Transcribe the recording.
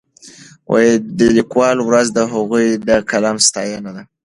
د لیکوالو ورځ د هغوی د قلم ستاینه ده.